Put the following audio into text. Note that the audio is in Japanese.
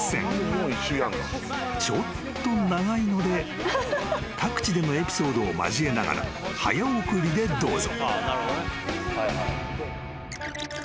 ［ちょっと長いので各地でのエピソードを交えながら早送りでどうぞ］